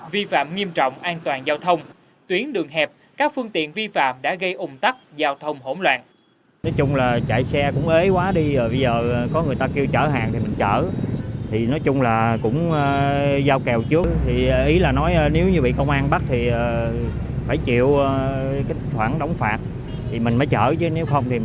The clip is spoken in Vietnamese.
vi phạm nghiêm trọng an toàn giao thông tuyến đường hẹp các phương tiện vi phạm đã gây ủng tắc giao thông hỗn loạn